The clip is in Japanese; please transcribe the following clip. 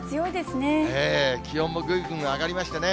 ねぇ、気温もぐんぐん上がりましてね。